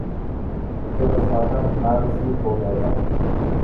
تو تصادم ناگزیر ہو جائے گا۔